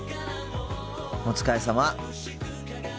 お疲れさま。